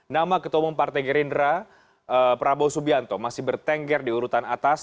nama ketua umum partai gerindra prabowo subianto masih bertengger di urutan atas